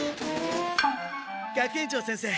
学園長先生